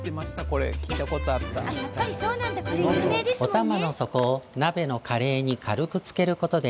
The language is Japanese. おたまの底を鍋のカレーに軽くつけることで